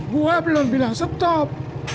gue belum bilang stop